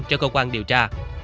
cho cơ quan điều tra